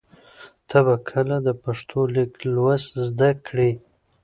ته به کله د پښتو لیک لوست زده کړې؟